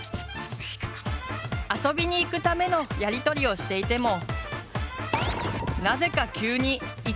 遊びに行くためのやり取りをしていても。